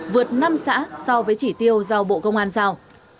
vượt năm xã so với chỉ tiêu do bộ công an giao